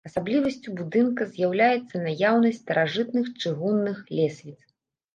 Асаблівасцю будынка з'яўляецца наяўнасць старажытных чыгунны лесвіц.